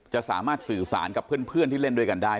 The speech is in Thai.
จะสามารถสื่อสารกับเพื่อนที่เล่นด้วยกันได้